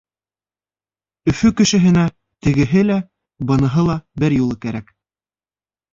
Өфө кешеһенә тегеһе лә, быныһы ла бер юлы кәрәк.